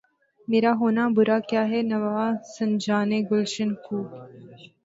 میرا ہونا برا کیا ہے‘ نوا سنجانِ گلشن کو!